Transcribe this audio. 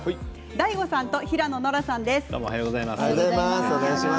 ＤＡＩＧＯさんと平野ノラさんです。